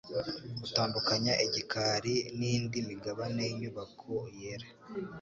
rutandukanya igikari n'indi migabane y'inyubako yera.